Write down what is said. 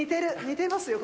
似てますよ。